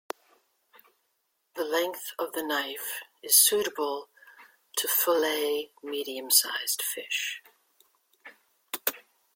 The length of the knife is suitable to fillet medium-sized fish.